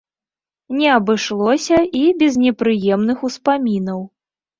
Не абышлося і без непрыемных успамінаў.